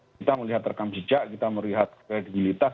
kita melihat rekam jejak kita melihat kredibilitas